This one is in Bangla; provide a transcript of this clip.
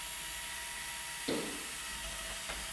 এই মিস ইউনিভার্স, তুমিও অতটা সুন্দর না, যতটা দেখতে।